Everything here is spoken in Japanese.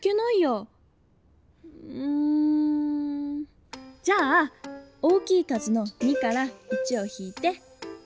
うんじゃあ大きい数の２から１をひいて１。